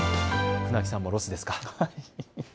船木さんもロスですか。